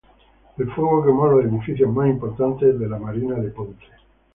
El fuego quemó los edificios más importantes de la "Marina de Ponce".